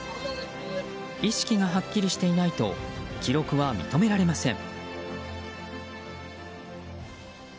意識がはっきりしていないと記録は認められません。